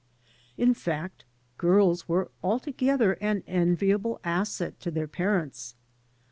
In fact, girls were altogether an enviable asset to their parents.